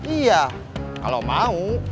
iya kalau mau